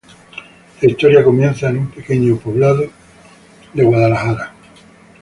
La historia comienza en un pequeño poblado de Minnesota.